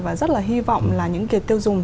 và rất là hy vọng là những tiêu dùng